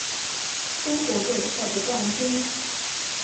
中国队获得冠军。